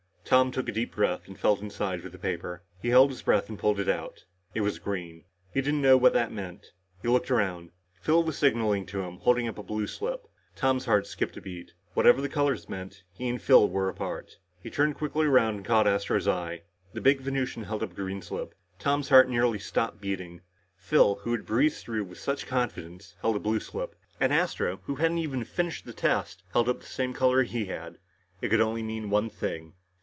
Tom took a deep breath and felt inside for the paper. He held his breath and pulled it out. It was green. He didn't know what it meant. He looked around. Phil was signaling to him, holding up a blue slip. Tom's heart skipped a beat. Whatever the colors meant, he and Phil were apart. He quickly turned around and caught Astro's eye. The big Venusian held up a green slip. Tom's heart then nearly stopped beating. Phil, who had breezed through with such confidence, held a blue slip, and Astro, who hadn't even finished the test, held up the same color that he had. It could only mean one thing.